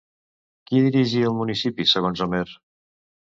Qui dirigia el municipi segons Homer?